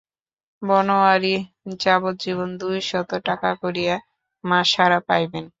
বনোয়ারি যাবজ্জীবন দুই শত টাকা করিয়া মাসহারা পাইবেন।